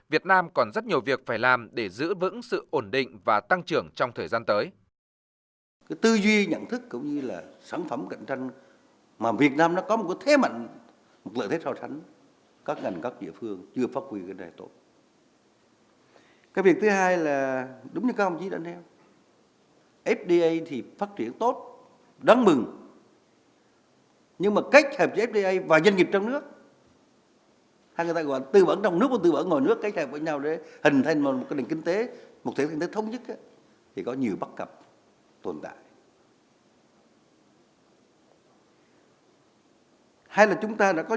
việt nam còn rất nhiều việc phải làm để giữ vững sự ổn định và tăng trưởng trong thời gian tới